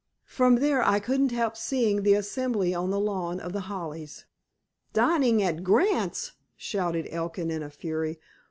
From there I couldn't help seeing the assembly on the lawn of The Hollies." "Dining at Grant's?" shouted Elkin in a fury.